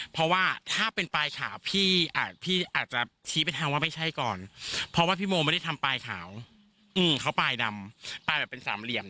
เพราะถ้าเป็นปลายขาวพี่อาจจะชี้น้ำว่าไม่ใช่ก่อน